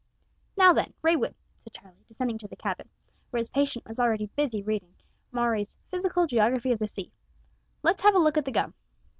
"Now then, Raywood," said Charlie, descending to the cabin, where his patient was already busy reading Maury's Physical Geography of the Sea, "let's have a look at the gum."